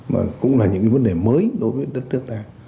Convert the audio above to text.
mà cũng là những cái vấn đề mới đối với đất nước ta